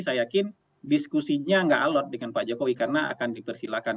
saya yakin diskusinya nggak alot dengan pak jokowi karena akan dipersilakan